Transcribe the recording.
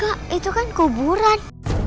kak itukan kuburan